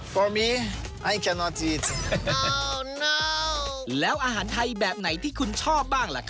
พักกันเยอะทุกวัน